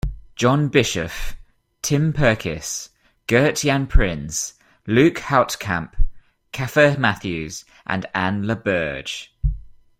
John Bischoff, Tim Perkis, Gert-Jan Prins, Luc Houtkamp, Kaffe Matthews and Anne LaBerge.